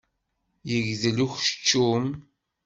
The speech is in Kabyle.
Yegdel ukeččum!